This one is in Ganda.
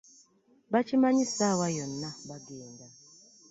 Bakimanyi ssaawa yonna bagenda.